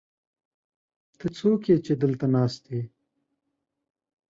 ته څوک يې، چې دلته ناست يې؟